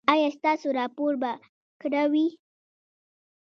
ایا ستاسو راپور به کره وي؟